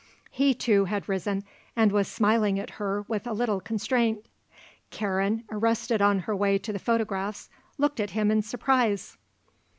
He, too, had risen and was smiling at her with a little constraint. Karen, arrested on her way to the photographs, looked at him in surprise.